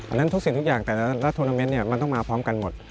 อันนั้นทุกสิ่งทุกอย่างแต่ละธุรกิจมันต้องมาพร้อมกันหมด